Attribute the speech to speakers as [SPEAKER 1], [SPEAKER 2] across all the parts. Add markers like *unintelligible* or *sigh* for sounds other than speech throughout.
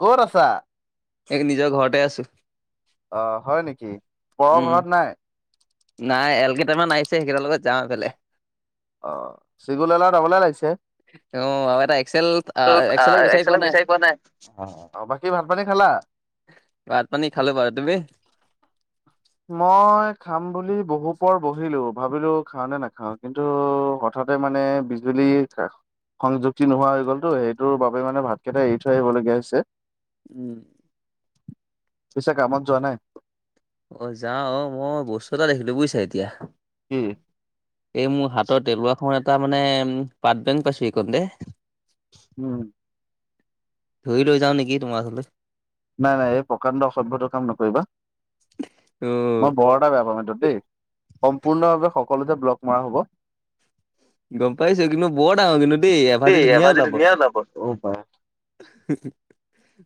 [SPEAKER 1] ক'ত আছা?
[SPEAKER 2] এক নিজৰ ঘৰতে আছো।
[SPEAKER 1] অ, হয় নেকি?
[SPEAKER 2] উম, নাই এল কেইটামান আহিছে সেইকেইটাৰ লগত যাওঁ বেলে।
[SPEAKER 1] অ, চিগুললা ৰবলে লাগিছে।
[SPEAKER 2] অ, আৰু এটা এক্সেল
[SPEAKER 1] একচাল মিছাৰ পোৱা নাই। বাকী ভাতপানী খালা?
[SPEAKER 2] ভাত পানী খালো বাৰু। তুমি?
[SPEAKER 1] মই খাম বুলি বহু পৰ বহিলো ভাবিলো খাও নে নাখাও কিন্তু মুঠতে মানে বিজুলী থাক সংযুক্তি নোহোৱা হৈ গ'লতো সেইটোৰ বাবে মানে ভাতকেইটা এৰি থৈ আহিবলগীয়া হৈছে।
[SPEAKER 2] উম,
[SPEAKER 1] পিছে কামত যোৱা নাই?
[SPEAKER 2] অ, যাও অ, মই বস্তু এটা দেখিলো বুজিছা এতিয়া।
[SPEAKER 1] কি?
[SPEAKER 2] এই মোৰ হাতৰ তেলুৱা খ এটা মানে পাট বেংক পাইছো এইকণ দে।
[SPEAKER 1] উম,
[SPEAKER 2] ধৰি লৈ যাওঁ নেকি তোমৰ ঘৰলৈ।
[SPEAKER 1] নাই-নাই এই প্ৰকাণ্ড অসভ্যত কাম নকৰিবা মই বৰটা বেয়া পাম এইটোত দেই। সম্পূৰ্ণভাৱে সকলোতে ব্লক মৰা হ'ব।
[SPEAKER 2] গম পাইছো কিন্তু বৰ ডাঙৰ কিন্তু দেই এভাজি ধুনীয়া ওলাব।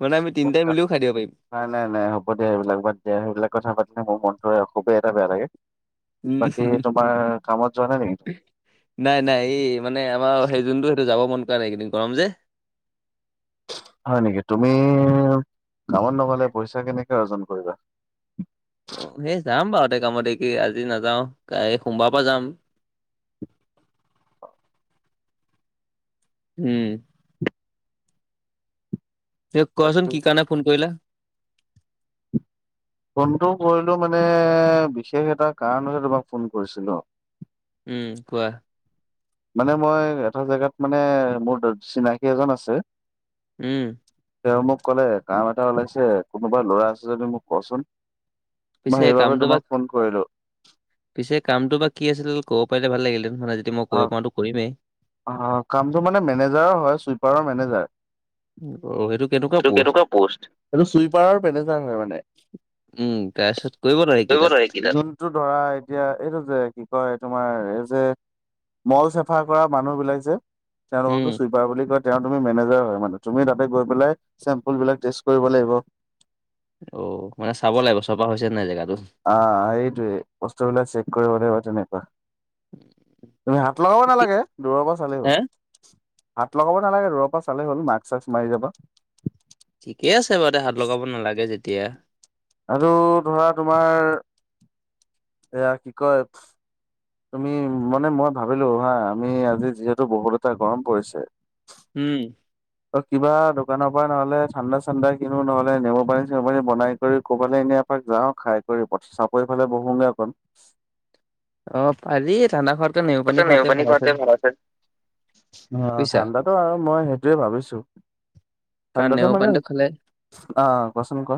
[SPEAKER 2] মানে আমি তিনিটাই মিলিও খাই দিব পাৰিম।
[SPEAKER 1] নাই-নাই-নাই হ'ব দিয়া। এইবিলাক বাদ দিয়া সেইবিলাক কথা পাতিলে মোৰ মনতো খুবেই এটা বেয়া লাগে। বাকী তোমাৰ কামত যোৱা নাই নেকি?
[SPEAKER 2] নাই-নাই, এই মানে আমাৰ সেই যোনটো সেইটো যাব মন কৰা নাইকেইদিন গৰম যে।
[SPEAKER 1] হয় নেকি? তুমি কামত নহলে পইচা কেনেকে অৰ্জন কৰিবা।
[SPEAKER 2] অ, সেই যাম বাৰুতে কামতে কি আজি নাযাও এই সোমবাৰৰ পৰা যাম।
[SPEAKER 1] হয় *unintelligible*
[SPEAKER 2] উম, এই কচোন কি কাৰন নে ফোন কৰিলা?
[SPEAKER 1] ফোনটোও কৰিলো মানে বিশেষ এটা কাৰণ হৈছে তোমাক ফোন কৰিছিলো।
[SPEAKER 2] উম, কোৱা?
[SPEAKER 1] মানে মই এটা জেগাত মানে মোৰ চিনাকী এজন আছে।
[SPEAKER 2] উম,
[SPEAKER 1] তেওঁ মোক কলে কাম এটা ওলাইছে কোনোবা ল'ৰা আছে যদি মোক কচোন? মই সেইবাবে তোমাক ফোন কৰিলো।
[SPEAKER 2] পিছে কামটো বা কি আছিল ক'ব পাৰিলে ভালাগিলেন মানে যদি মই কৰিব পাৰোতো কৰিমেই।
[SPEAKER 1] অ, কামটো মানে মেনেজাৰৰ হয় চুইপাৰৰ মেনেজাৰ। এইটো কেনেকা পষ্ট এইটো চুইপাৰৰ মেনেজাৰ হয় মানে।
[SPEAKER 2] উম, তাৰপিছত কৰিব নে কি তাত?
[SPEAKER 1] টো ধৰা এতিয়া এইটো যে কি কয় তোমাৰ এই যে মল চাফা কৰা মানুহ বিলাক যে তেওঁলোককো চুইপাৰ বুলি কয়। তেওঁ তুমি মেনেজাৰ হয় মানে তুমি তাতে গৈ পেলাই চেম্পুল বিলাক কৰিব লাগিব।
[SPEAKER 2] অ, মানে চাব লাগিব চপা হৈছে নাই জেগাটো।
[SPEAKER 1] অ, সেইটোয়ে বস্তু বিলাক চেক কৰিব লাগিব তেনেকুৱা তুমি হাত লগাব নালাগে দূৰৰ পৰা চালেই হ'ল। হাত লগাব নালাগে দূৰৰ পৰা চালেই হল মাস্ক সাস্ক মাৰি যাবা।
[SPEAKER 2] ঠিকে আছে বাৰু দে হাত লগাব নালাগে যেতিয়া।
[SPEAKER 1] আৰু ধৰা তোমাৰ এয়া কি কয়? তুমি মানে মই ভাবিলো হা আমি আজি যিহেতু বহুত এটা গৰম পৰিছে,
[SPEAKER 2] উম,
[SPEAKER 1] অ, কিবা দোকানৰ পৰা নহলে ঠাণ্ডা-চাণ্ডা কিনো নহ'লে নেমু পানী, চেমু পানী, বনাই কৰি ক'বালে এনে এপাক যাওঁ খাই কৰি চাপৰিফালে বহুগে অকণ
[SPEAKER 2] অহ', পাৰি ঠান্দাখন।
[SPEAKER 1] নেমু পানী খোৱাতকৈ, ঠান্দা অহ', ঠাণ্ডাটো আৰু মই সেইটোয়ে ভাবিছো। ঠাণ্ডা মানে, অঁহ', ক'চোন ক?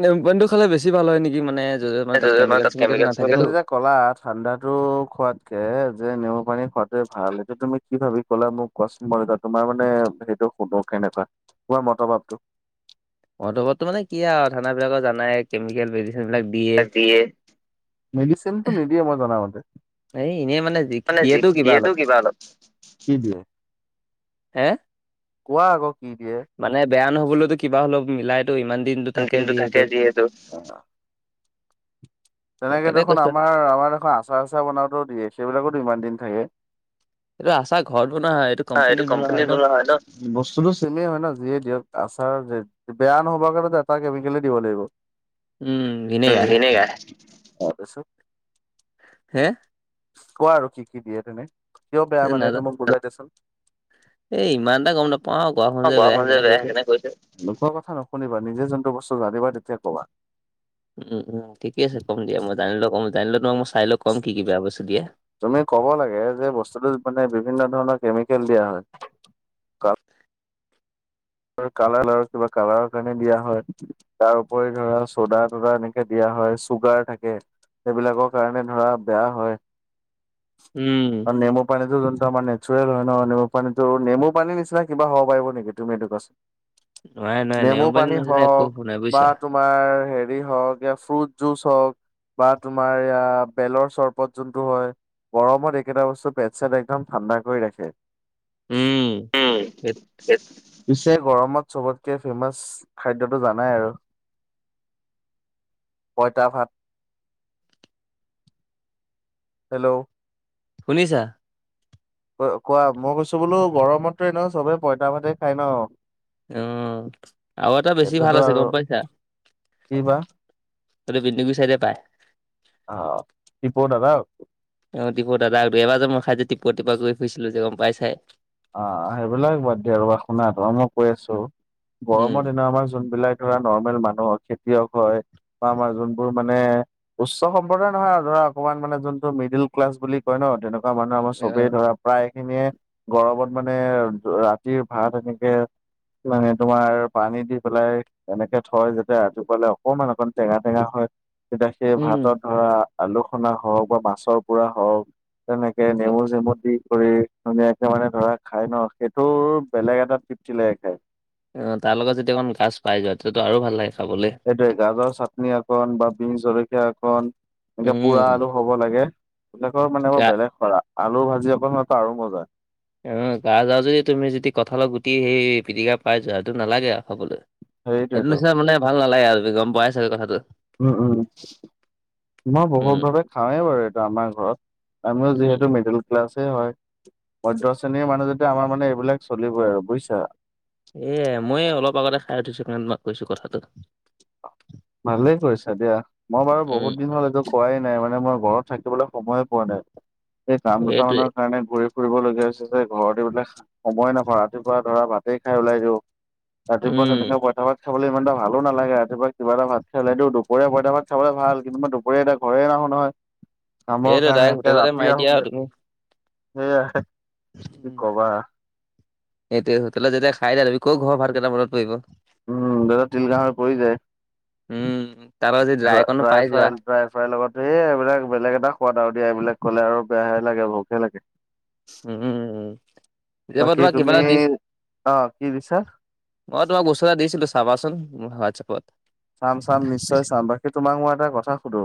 [SPEAKER 2] নেমু পানীটো খালে বেছি ভাল হয় নেকি, মানে যদি তা'ত কেমিকেল-চেমিকেল নাথাকেতো।
[SPEAKER 1] ক'লা, ঠাণ্ডাতো খোৱাতকে - যে নেও পানী খোৱাটোৱে ভাল, এইটো তুমি কি ভাবি ক'লা মোক কোৱাচোন বাৰু তোমাৰ মানে সেইটো অনুভৱ কেনেকুৱা? মই মতে ভাৱটো।
[SPEAKER 2] অটপতো মানে কি আৰু থানা বিলাকৰ জানাই কেমিকেল মেডিচিনবিলাক -
[SPEAKER 1] দিয়ে। মেডিচিনটো নিদিয়ে মই জনামতে। মানে দিয়ে টো কিবা অলপ। কি দিয়ে?
[SPEAKER 2] হেঁ।
[SPEAKER 1] কোৱা আকৌ কি দিয়ে?
[SPEAKER 2] মানে বেয়া নহ'বলোতো কিবা হ'লেও মিলাই।
[SPEAKER 1] তা'ত কিন্তু থাকে যিহেতু। তেনেকে দেখোন আমাৰ, আমাৰ দেখোন আচাৰ-চাচাৰ বনাওঁতেও দিয়ে, সেইবিলাকতো ইমান দিন থাকে।
[SPEAKER 2] এইটো আচাৰ ঘৰত বনোৱা হয়, এইটো কোম্পানীত বনোৱা হয় ন।
[SPEAKER 1] বস্তুটো চেমেই হয় ন' যিয়ে দিয়ক আচাৰ বেয়া নহ'ব কাৰণে এটা কেমিকলে দিব লাগিব। উমঁ।
[SPEAKER 2] হেঁ।
[SPEAKER 1] কোৱা আৰু কি কি দিয়ে, তেনে কিয় বেয়া মানে, এইটো মোক বুজাই দে চোন?
[SPEAKER 2] এই ইমান এটা গম নাপাওঁ।
[SPEAKER 1] লোকে কোৱা শুনো যে সেইকাৰণে কলো। লোকৰ কথা নোশুনিবা নিজে যোনটো বস্তু জানিবা তেতিয়া কবা।
[SPEAKER 2] উমঁ-উমঁ, ঠিকে আছে ক'ম দিয়া মই জানিলওঁ কম জানিলো তোক মই চাই লও কম কি বেয়া বস্তু দিয়ে।
[SPEAKER 1] তুমি ক'ব লাগে যে বস্তুটোত মানে বিভিন্ন ধৰণৰ কেমিকেল দিয়া হয়। কালাৰ আৰু কিবা কালাৰৰ কাৰণে দিয়া হয়। তাৰ উপৰি ধৰা চ'ডা-তদা এনেকে দিয়া হয়, চুগাৰ থাকে। এইবিলাকৰ কাৰণে ধৰা বেয়া হয়।
[SPEAKER 2] উমঁ।
[SPEAKER 1] নেমু পানীটো যোনটো আমাৰ নেচাৰেল হয় ন' নেমু পানীতো নেমুপানী নিচিনা কিবা হ'ব পাৰিব নেকি তুমি এইটো কোৱাচোন। নেমু পানী হওক বা তু - তোমাৰ হেৰি হওঁক ফ্ৰুট-জুচ হওঁক - বা তোমাৰ ইয়া বেলৰ চৰ্বত যোনটো হয়। গৰমত একেইটা বস্তু পেট-ছেট একদম ঠাণ্ডা কৰি ৰাখে। উমঁ। পিছে গৰমত চবতকে ফেমাচ খাদ্যয়টো জানাই আৰু। পইতা ভাত। হেল্ল'।
[SPEAKER 2] শুনিছা?
[SPEAKER 1] কোৱা? মই কৈছো বোলো গৰমত ন' চবেই পইতা ভাতে খাই ন।
[SPEAKER 2] উমঁ। আৰু এটা বেছি ভাল আছে গম পাইছা। সেইটো বেছি চাইডে পায়।
[SPEAKER 1] অহ', - দিপ দাদা।
[SPEAKER 2] অহ ', -টিপুৱ দা দু এবাৰ মইাই যে টপ পুৱ গৈ ফুছিলো যে গম পাই চাই।
[SPEAKER 1] অহ', - সেইবিলাক বাদ দিয়া, ৰবা শুনা মই কৈ আছো। গৰমৰ দিনত আমাৰ যোনবিলাক- ধৰা নৰ্মেল মানুহ খেতিয়ক হয় বা আমাৰ যোনবোৰ মানে- উচ্চ সম্প্ৰদায় নহয় আৰু ধৰা অকমান মানে যোনটো মিডিল ক্লাছ বুলি কয় ন তেনেকু- কুৱা মানুহ আমাৰ চবেই ধৰা প্ৰায় খিনিয়ে গৰমত মানে ৰাতিৰ ভাত এনেকে- মানে তোমাৰ পানী দি পেলাই - এনেকে থয় যাতে ৰাতিপুৱালে অকমান অকণ টেঙা টেঙা হয়। তেতিয়া সেই ভাতত ধৰা আলু খনা হওক বা মাছৰ পোৰা হওক, তেনেকে নেমু চেমু দি কৰি ধুনীয়া, মানে ধৰা খায় ন সেইটোৰ বেলেগ এটা টিপ্তি লাগে খায়।
[SPEAKER 2] অ তাৰ লগত যদি অকমান গাছ পাই যোৱা তেতিয়া তো আৰু ভাল লাগে খাবলে।
[SPEAKER 1] সেইটোৱে গাজৰ চাটনি অকণ বা বি জলকীয়া অকন এনেকে পোৰা আলু হ'ব লাগে। বেলেগৰ মানে বেলেগ সৰা আলুৰ ভাজি অকন হলে ত আৰু মজা।
[SPEAKER 2] অ গাজ আৰু যদি তুমি যদি কঁঠালত গুটি সেই পিটিকা পাই যোৱাটো নালাগে আৰু খাবলৈ। সেইটো নিচিনা মানে ভাল নালাগে আৰু গম পোৱাই চাগে কথাটো।
[SPEAKER 1] উম উম মই বহুত ভাৱে খাওঁৱে বাৰু এইটো আমাৰ ঘৰত আমি যিহেতু মিদুল, ক্লাছ হে হয় মধ্য শ্ৰেণীৰ মানুহ যেতিয়া আমাৰ মানে এইবিলাক চলিবই আৰু বুজিছা।
[SPEAKER 2] এ মই অলপ আগতে খাই উঠিছো তোমাক কৈছো কথাটো।
[SPEAKER 1] ভালেই কৰিছা দিয়া, মই বাৰু বহুত দিন হল এইটো খোৱাই নাই মানে মই ঘৰত থাকিবলৈ সময়ে পোৱা নাই এই কাম দুটা মানে, তাৰ কাৰণে ঘূৰি ফুবলগীয়া হৈছে যে ঘৰত এইবিলাক, সময়ে নাপাওঁ ৰাতিপুৱা ধৰা ভাতেই খাই ওলাই দিওঁ, ৰাতিপুৱা তেনেকে পঁইতা ভাত খাবলৈ ইমান এটা ভাল, নালাগে ৰাতিপুৱা কিবা এটা ভাত খাই উলাই দিও, দুপৰীয়া পঁইতা ভাত খাব ভাল কিন্তু মই দুপৰীয়া এতিয়া ঘৰেই নাহো নহয়। কামৰ কাৰণে একে ৰাতি আহো যে, সেইয়া
[SPEAKER 2] এইটোৱে হোটেলত যেতিয়া খাই দিয়া, তুমি ক ঘৰৰ ভাত কেইটা মনত পৰিব।
[SPEAKER 1] উম যেতিয়া তিল গাহৰি পৰি যায়, ড্ৰাই ফ্ৰাই ড্ৰাই ফ্ৰাইৰ লগত সেই এইবিলাক বেলেগ এটা সোৱাদ আৰু দিয়া এইবিলাক ক'লে আৰু বেয়াহে লাগে ভোকহে লাগে,
[SPEAKER 2] উম উম উম
[SPEAKER 1] বাকী তুমি, অ কি দিছা?
[SPEAKER 2] মই তোমাক বস্তু এটা দিছিলো চাবাচোন, হোৱাটছএপত
[SPEAKER 1] চাম চাম নিশ্চয় চাম বাকী তোমাক মই এটা কথা সুধো,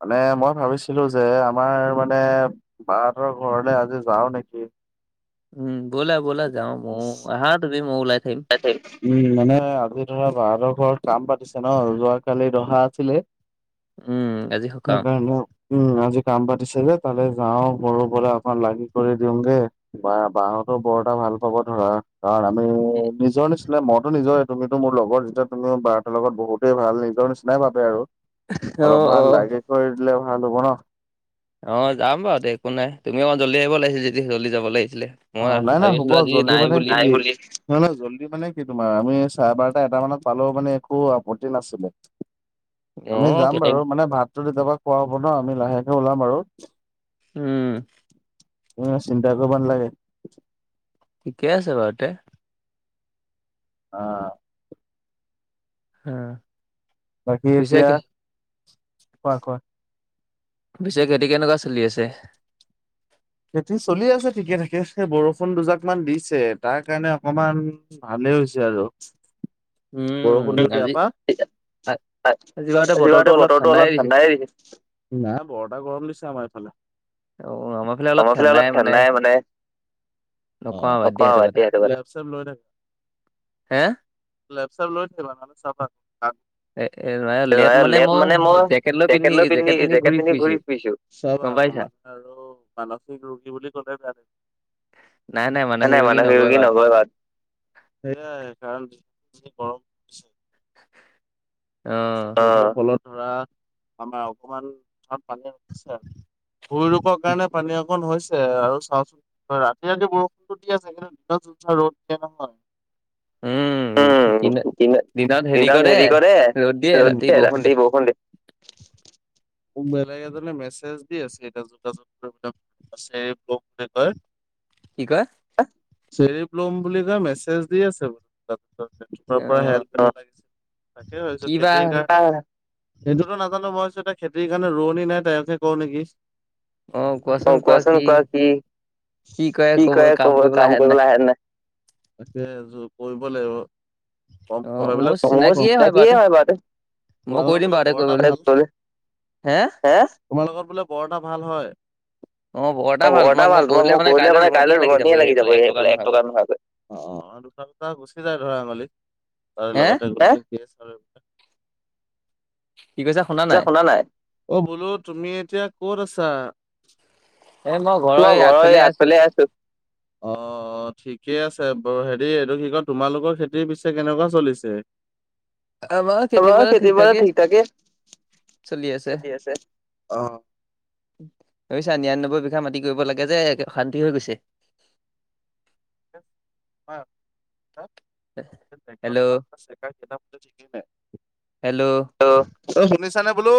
[SPEAKER 1] মানে মই ভাবিছিলো যে আমাৰ মানে, বাহঁতৰ ঘৰলৈ আজি যাও নেকি,
[SPEAKER 2] উম বলা বলা যাও, মও আহা তুমি মই ওলাই থাকিম।
[SPEAKER 1] উম মানে আজি ধৰা বাঁহতৰ ঘৰত কাম পাতিছে ন যোৱ কালি দহা আছিলে।
[SPEAKER 2] উম আজি
[SPEAKER 1] সেইকাৰ নে, উম আজি কাম পাতিছেলে তালে যাওঁ বৰ বৰে আপোনাৰ লাগি কৰি দিওঁ গে ব বাহতো বৰ এটা ভাল পাব ধৰা কাৰণ আমি নিজৰ নিচিনা নে মইতো নিজৰে তুমিতো মোৰ লগত যেতিয়া তুমি বাৰঁৰ লগত বহুতেই ভাল নিজৰ নিচিনাই ভাবে আৰু অলপমান লাগি কৰি দিলে ভাল হ'ব ন
[SPEAKER 2] অ যাম বাৰু দে একো নাই তুমি অকণ জল্দি আহিব লাগিছিলে যেতিয়া জল্দি যাব লাগিছিলে
[SPEAKER 1] অ নাই নাই হ'ব জলদি মানে নহয় নহয় জল্দি মানে কি তোমাৰ আমি চাৰে বাৰটা এটা মানত পালোও মানে একো আপত্তি নাছিলে আমি যাম বাৰু মানে ভাতো কেতিয়াবা খোৱা হব ন আমি লাহেকে ওলাম আৰু
[SPEAKER 2] উম
[SPEAKER 1] তই চিন্তা কৰিব নালাগে।
[SPEAKER 2] ঠিকে আছে বাৰু তে
[SPEAKER 1] অ
[SPEAKER 2] হ
[SPEAKER 1] বাকী এতিয়া কোৱা কোৱা
[SPEAKER 2] পিছে খেতি কেনেকুৱা চলি আছে?
[SPEAKER 1] খেতি চলি আছে ঠিকে থাকে সেই বৰষুণ দুজাক মান দিছে তাৰ কাৰণে অকমান ভালে হৈছে আৰু বৰষুণও দিয়া পা জতে বতৰটো অলপ ঠাণ্ডাই দিছে নাই বৰ এটা গৰম দিছে আমাৰ এইফালে।
[SPEAKER 2] অ, আমাক
[SPEAKER 1] আমাৰ ফালে অলপ ঠাণ্ডাই মানে, টেপ চেপে লৈ থাকিবি লেপছেপ লৈ থাকিবা নে চব। লেপ মানে মই জেকেট লৈ পিন্ধি জেকেট পিন্ধি ঘূৰি ফুৰিছো। চব আগমান আৰু মানুহ ৰোগ বুলি কলে বেয়া নাই মানসিক ৰোগী নকব সেইয়াই কাৰণ যি গৰম ফলত ধৰা আমাৰ অকমান ভুই ৰুব কাৰণে পানী অকণ হৈছে। আৰু চাওচোন ৰাতি ৰাতি বৰষুণতো দি আছে কিন্তু দিনত য চ ৰ'দ দিয়া নহয়। উম, দি দিনত হেৰি কৰে। ৰদ দিয়ে ৰাতি বৰষুণ দিয়ে। মোক বেলেগ এজনে মেছেজ দি আছে, এতিয়া যোগাযোগ কৰক কৈছে *unintelligible*
[SPEAKER 2] কি কয়?
[SPEAKER 1] চেফ লম বুলি কয় মেছেজ দি আছে। *unintelligible* সেইটোতো নাজানো মই এতিয়া খেতিৰ কাৰণে ৰোৱনী নাই তেওঁকে কৰো নেকি। অ, কোৱাচোন কোৱা কি-কি কয় কব কাম কৰিবলৈ আহে নাই? তাকে আৰু কৰিব লাগিব কম সময়বিলাক মোৰ চিনাকিয়ে হয় বাৰু। হে *unintelligible* তোমাৰ লগত বোলে বৰ এটা ভাল হয়। অ, বৰটা ভাল তোমাক মই কলে মানে কাইলে ৰোৱানীয়ে লাগি যাবই সেইফালে এক টকা নোহোৱাকৈ। অ দুটা দুটা গুচি যায় ধৰা ধেমালিত তাৰ লগতে *unintelligible*
[SPEAKER 2] কি কৈছ শুনা
[SPEAKER 1] অ' বোলো তুমি এতিয়া কত আছা? মই ঘৰৰ এই আগ ফালে আছো। অ, ঠিকে আছে বাৰু। হেৰি এইটো কি কয় তোমালোকৰ খেতিৰ পিছে কেনেকুৱা চলিছে। অ, খেতি বা ঠিক ঠাকেই
[SPEAKER 2] চলি আছে। ছা নিৰান্নবৈ বিঘা মাতি কৰিব লাগে যে শান্তি হৈ গৈছে।
[SPEAKER 1] অ হা *unintelligible* *unintelligible* অ, শুনিছানে বোলো?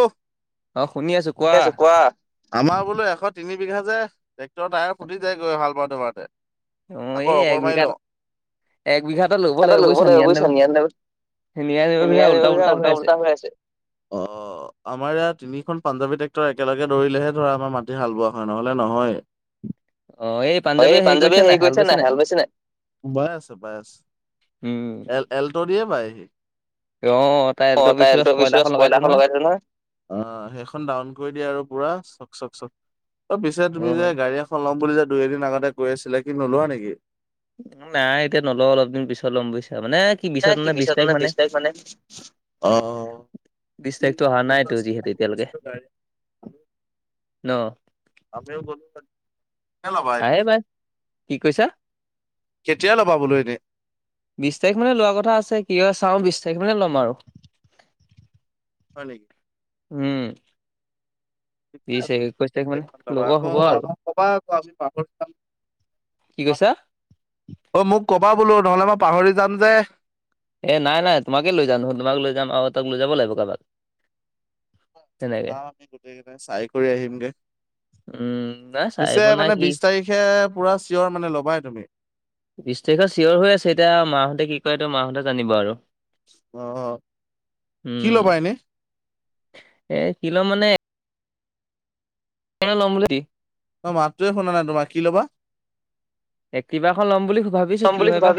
[SPEAKER 1] কি আছ কোৱা আমাৰ বোলো এশ তিনি বিঘা যে টেক্টৰ টায়াৰ ফুটি যায় গৈ হাল বাৰতে-বাৰতে।
[SPEAKER 2] অ, এই এক বিঘাত এক বিঘাত ল,
[SPEAKER 1] তটা ল'ব লাগিব বুজিছা নিয়ানবৈ আ, নিয়ানবৈ বিঘা উল্টা-উল্টা হৈ আছে। অ', অ, আমাৰ ইয় তিনি পাঞ্জাবী ট্ৰেটৰ একেলগে ধৰিলেহে ধৰা আমাৰ মাটি হাল বোৱা হয় নহলে নহয়। হয় এই পাঞ্জাৱীয়ে হেৰি কৰিছে নাই হাল বাইছে নাই। বাই আছে, বাই আছে এল এলট দিয়ে বাই সি। অ, তাই পচ পয়লাখন লগাইছে নহয়। অ, সেইখন ডাউন কৰি দিয়া আৰু পুৰা চক-চক-চক পিছে তুমি যে গাড়ী ফ ল'ম বুলি যে দুই এদিন আগতে কৈ আছিলে কি নোলোৱা নেকি।
[SPEAKER 2] নাই এতিয়া নলও অলপ দিন পিছত ল'ম বুজিছা, মানে
[SPEAKER 1] এ কি বিচাৰ বিশ তাৰিখ মানে অ',
[SPEAKER 2] বিশ তাৰিখতটো অহা নাইতো যিহেতু এতিয়ালৈকে ন',
[SPEAKER 1] আমি গ *unintelligible* ল'বা এনে, কেতিয়া ল'বা বোলো এনে।
[SPEAKER 2] বিশ তাৰিখ মানে লোৱাৰ কথা আছে, কি হয় চাওঁ, বিশ তাৰিখ মানে ল'ম আৰু।
[SPEAKER 1] হয় নেকি?
[SPEAKER 2] উম।
[SPEAKER 1] *inaudible* ঠিকে আছে, আকৌ আ কবা, আকৌ আমি পাহৰি যাম।
[SPEAKER 2] কি কৈছাঁ?
[SPEAKER 1] অ', মোক ক'বা বোলো নহ'লে মই পাহৰি যাম যে।
[SPEAKER 2] এ নাই নাই, তোমাকে লৈ যাম নহয় তোমাক লৈ যাম আৰু এটাক লৈ যাব লাগিব কাৰোবাক।
[SPEAKER 1] চাওঁ আমি গোটেইকেইটাই চাই কৰি আহিমগে।
[SPEAKER 2] উম ন'।
[SPEAKER 1] পিছে মানে বিশ তাৰিখে, পুৰা চিয়ৰ মানে ল'বাই তুমি।
[SPEAKER 2] বিশ তাৰিখত চিয়ৰ হৈ আছে, এতিয়া মাহঁতে কি কৰে তো মাহঁতে জানিব আৰু। উম, এ, কি ল'ম মানে লম লি *unintelligible*
[SPEAKER 1] মই মাতটোৱে শুনা নাই তোমাৰ, কি ল'বা?
[SPEAKER 2] এই, এক্টিভা এখন ল'ম বুলি ভাবিছোঁ, কি হয় বা।